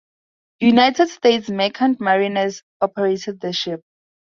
United States Merchant Mariners operated the ship.